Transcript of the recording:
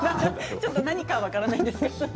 ちょっと何か分からないんですけど。